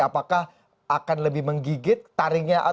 apakah akan lebih menggigit taringnya